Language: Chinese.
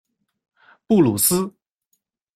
布鲁斯。